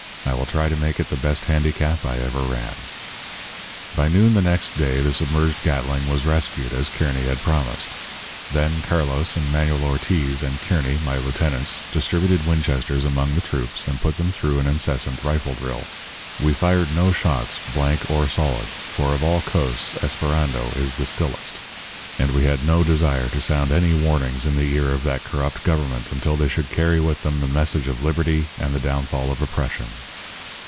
'I will try to make it the best handicap I ever ran.' "By noon the next day the submerged Gatling was rescued, as Kearny had promised. Then Carlos and Manuel Ortiz and Kearny (my lieutenants) distributed Winchesters among the troops and put them through an incessant rifle drill. We fired no shots, blank or solid, for of all coasts Esperando is the stillest; and we had no desire to sound any warnings in the ear of that corrupt government until they should carry with them the message of Liberty and the downfall of Oppression.